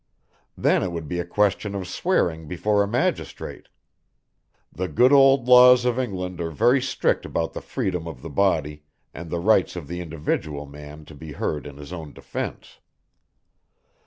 Then it would be a question of swearing before a magistrate. The good old Laws of England are very strict about the freedom of the body, and the rights of the individual man to be heard in his own defence.